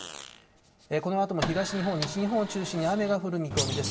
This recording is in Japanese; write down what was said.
このあとも東日本、西日本を中心に雨が降る見込みです。